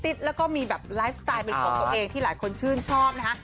แล้วก็มีแบบไลฟ์สไตล์เป็นของตัวเองที่หลายคนชื่นชอบนะฮะ